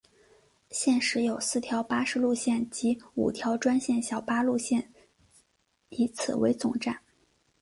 现时有四条巴士路线及五条专线小巴路线以此为总站。